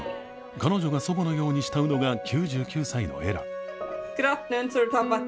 彼女が祖母のように慕うのが９９歳のエラ。